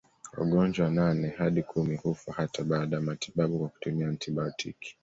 Wagonjwa nane hadi kumi hufa hata baada ya matibabu kwa kutumia antibiotiki